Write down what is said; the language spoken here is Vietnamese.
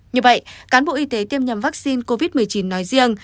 như vậy cán bộ y tế tiêm nhầm vaccine covid một mươi chín nói riêng